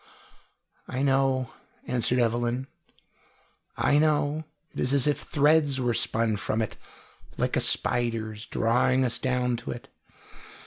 "I know," answered Evelyn, "I know. It is as if threads were spun from it, like a spider's, drawing us down to it."